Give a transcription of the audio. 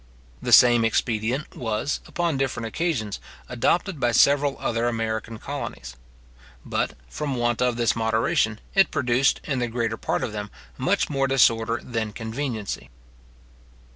The same expedient was, upon different occasions, adopted by several other American colonies; but, from want of this moderation, it produced, in the greater part of them, much more disorder than conveniency.